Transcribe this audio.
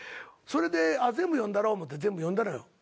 それで全部読んだろう思って全部読んだのよ。